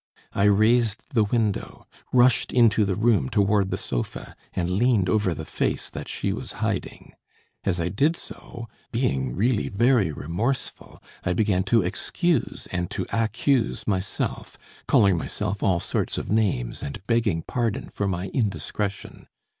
"I raised the window, rushed into the room toward the sofa, and leaned over the face that she was hiding. As I did so, being really very remorseful, I began to excuse and to accuse myself, calling myself all sorts of names, and begging pardon for my indiscretion.